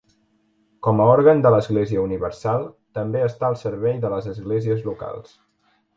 Com a òrgan de l'Església universal, també està al servei de les Esglésies locals.